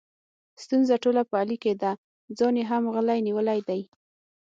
ستونزه ټوله په علي کې ده، ځان یې هم غلی نیولی دی.